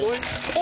お！